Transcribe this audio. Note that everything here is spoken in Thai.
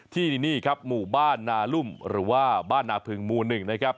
ที่นี่ครับหมู่บ้านนารุ่มหรือว่าบ้านนาพึงหมู่๑นะครับ